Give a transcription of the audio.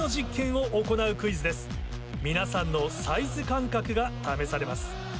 皆さんのサイズ感覚が試されます。